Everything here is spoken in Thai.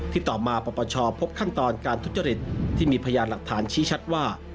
ต่อมาปปชพบขั้นตอนการทุจริตที่มีพยานหลักฐานชี้ชัดว่า